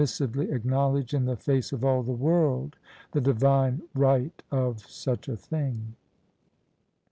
sively acknowledge in the face of all the world the divine right of such a thing.